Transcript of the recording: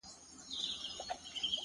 o پټ کي څرگند دی،